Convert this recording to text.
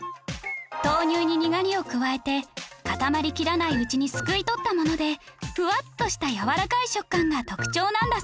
豆乳ににがりを加えて固まりきらないうちにすくい取ったものでふわっとしたやわらかい食感が特徴なんだそうです